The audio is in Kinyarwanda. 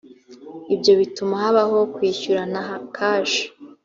ibyo bituma habaho kwishyurana kashi